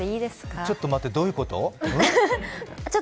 ちょっと待って、どういうこと？